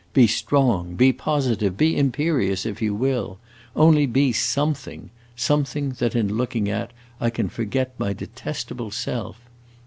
Be strong, be positive, be imperious, if you will; only be something, something that, in looking at, I can forget my detestable self!